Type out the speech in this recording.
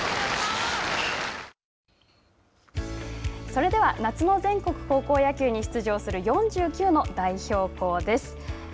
それでは、夏の全国高校野球に出場する４９の代表校です。